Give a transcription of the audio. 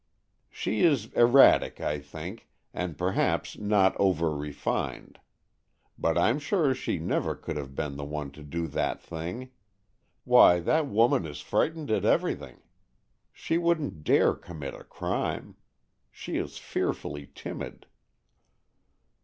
"She is erratic, I think, and perhaps, not over refined; but I'm sure she never could have been the one to do that thing. Why, that woman is frightened at everything. She wouldn't dare commit a crime. She is fearfully timid."